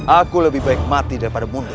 aku lebih baik mati daripada mundur